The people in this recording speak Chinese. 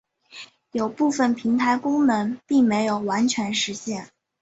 有部分平台功能并没有完全实现。